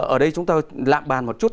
ở đây chúng ta lạng bàn một chút